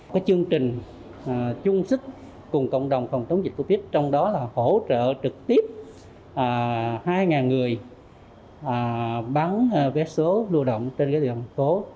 chương trình chung sức cùng cộng đồng phòng chống dịch covid trong đó là hỗ trợ trực tiếp hai người bán vé số lưu động trên địa bàn thành phố